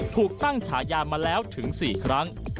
ถูกตั้งฉายามาแล้วถึง๔ครั้ง